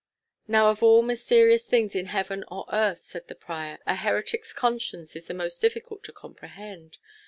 "Now, of all mysterious things in heaven or earth," said the prior, "a heretic's conscience is the most difficult to comprehend.